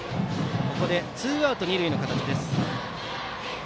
ここでツーアウト、二塁の形。